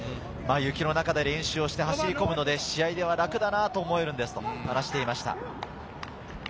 雪の中で練習をして走り込むので試合では楽だなぁと思えるんですと話していました。